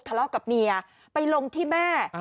ทะเลาะกับเมียไปลงที่แม่